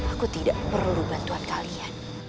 aku tidak perlu bantuan kalian